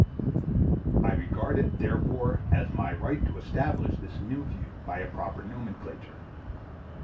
I regard it, therefore, as my right to establish this new view by a proper nomenclature.